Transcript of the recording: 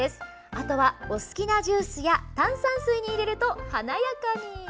あとはお好きなジュースや炭酸水に入れると華やかに！